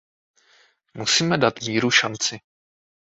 Musíme dát míru šanci!